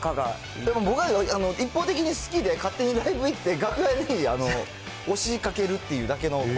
でも、僕が一方的に好きで、勝手にライブ行って、楽屋に押しかけるっていうだけの。